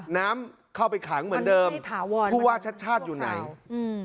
น้ำเข้าไปขังเหมือนเดิมพูดว่าชาติอยู่ไหนอืม